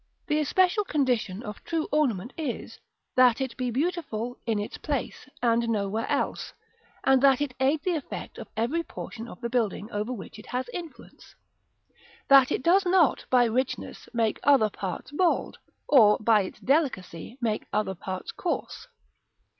§ IV. The especial condition of true ornament is, that it be beautiful in its place, and nowhere else, and that it aid the effect of every portion of the building over which it has influence; that it does not, by its richness, make other parts bald, or, by its delicacy, make other parts coarse.